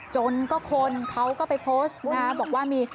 จนก็คนเขาก็ไปโพสต์นะบอกว่ามี